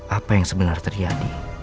apa yang sebenarnya terjadi